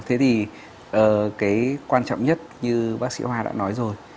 thì quan trọng nhất như bác sĩ hoa đã nói rồi